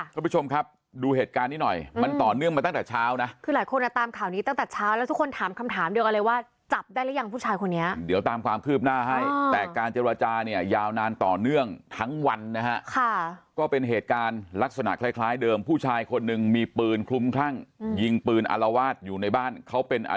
คุณผู้ชมครับดูเหตุการณ์นี้หน่อยมันต่อเนื่องมาตั้งแต่เช้านะคือหลายคนอ่ะตามข่าวนี้ตั้งแต่เช้าแล้วทุกคนถามคำถามเดียวกันเลยว่าจับได้หรือยังผู้ชายคนนี้เดี๋ยวตามความคืบหน้าให้แต่การเจรจาเนี่ยยาวนานต่อเนื่องทั้งวันนะฮะค่ะก็เป็นเหตุการณ์ลักษณะคล้ายคล้ายเดิมผู้ชายคนหนึ่งมีปืนคลุมคลั่งยิงปืนอารวาสอยู่ในบ้านเขาเป็นอ